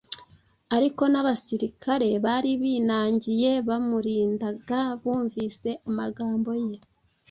Ariko n’abasirikare bari binangiye bamurindaga bumvise amagambo ye